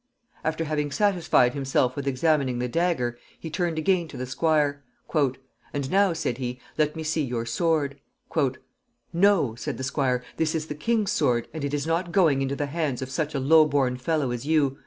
After having satisfied himself with examining the dagger, he turned again to the squire: "And now," said he, "let me see your sword." "No," said the squire, "this is the king's sword, and it is not going into the hands of such a lowborn fellow as you.